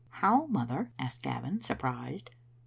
" How, mother?" asked Gavin, surprised.